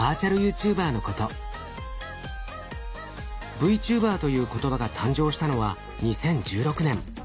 ＶＴｕｂｅｒという言葉が誕生したのは２０１６年。